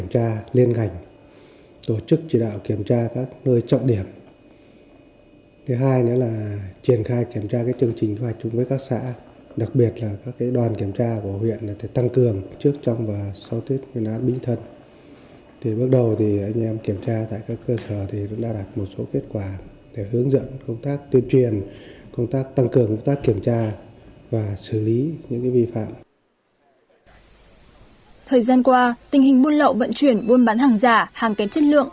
thời gian qua tình hình buôn lậu vận chuyển buôn bán hàng giả hàng kém chất lượng